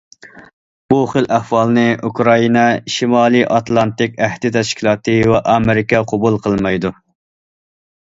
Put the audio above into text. بۇ خىل ئەھۋالنى، ئۇكرائىنا، شىمالىي ئاتلانتىك ئەھدى تەشكىلاتى ۋە ئامېرىكا قوبۇل قىلمايدۇ.